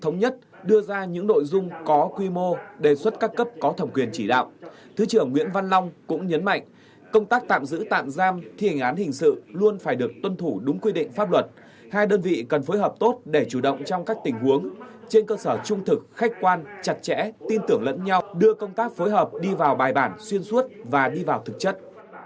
nhất đưa ra những nội dung có quy mô đề xuất các cấp có thẩm quyền chỉ đạo thứ trưởng nguyễn văn long cũng nhấn mạnh công tác tạm giữ tạm giam thi hành án hình sự luôn phải được tuân thủ đúng quy định pháp luật hai đơn vị cần phối hợp tốt để chủ động trong các tình huống trên cơ sở trung thực khách quan chặt chẽ tin tưởng lẫn nhau đưa công tác phối hợp đi vào bài bản xuyên suốt và đi vào thực chất